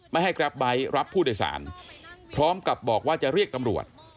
ไม่ให้แกรปไบท์รับผู้โดยสารพร้อมกับบอกว่าจะเรียกตำรวจ